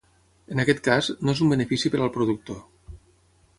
En aquest cas, no és un benefici per al productor.